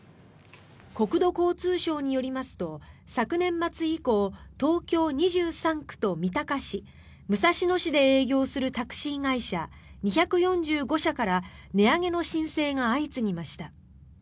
国土交通省によりますと昨年末以降東京２３区と三鷹市、武蔵野市で営業するタクシー会社２４５社から値上げの申請が相次ぎました。